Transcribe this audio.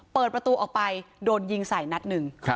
เปิดประตูออกไปโดนยิงใส่นัดหนึ่ง